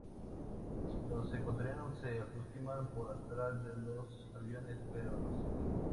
Los ecuatorianos se aproximan por atrás a los aviones peruanos.